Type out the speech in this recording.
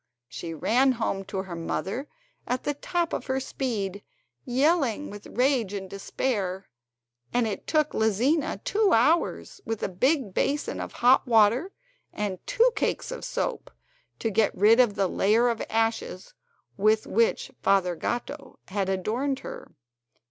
She ran home to her mother at the top of her speed, yelling with rage and despair; and it took Lizina two hours with a big basin of hot water and two cakes of soap to get rid of the layer of ashes with which Father Gatto had adorned her.